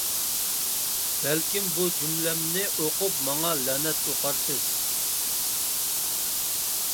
بەلكىم بۇ جۈملەمنى ئۇقۇپ ماڭا لەنەت ئۇقارسىز.